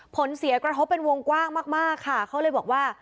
ผลเสียกระทบเป็นวงกว้างมากค่ะเขาเลยบอกว่า